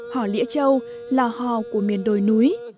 hò lĩa trâu là hò của miền đồi núi